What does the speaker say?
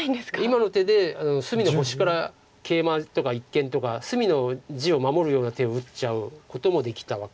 今の手で隅の星からケイマとか一間とか隅の地を守るような手を打っちゃうこともできたわけです。